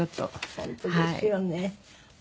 本当ですよね。